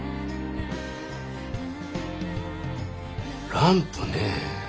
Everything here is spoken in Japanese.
ランプねえ。